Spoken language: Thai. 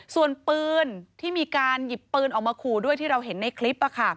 ส่วนปืนที่มีการหยิบปืนออกมาขู่ด้วยที่เราเห็นในคลิป